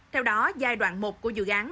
theo đó giai đoạn một của dự án